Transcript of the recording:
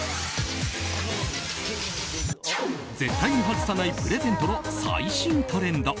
絶対に外さないプレゼントの最新トレンド。